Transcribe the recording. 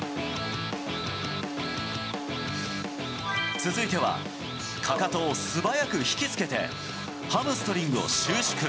続いてはかかとを素早く引き付けて、ハムストリングを収縮。